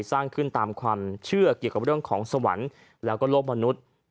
สร้างขึ้นตามความเชื่อเกี่ยวกับเรื่องของสวรรค์แล้วก็โลกมนุษย์